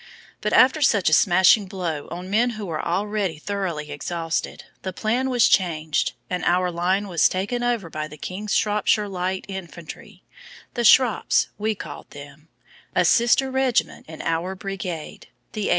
But after such a smashing blow on men who were already thoroughly exhausted, the plan was changed and our line was taken over by the King's Shropshire Light Infantry, the "Shrops" we called them, a sister regiment in our brigade, the 80th.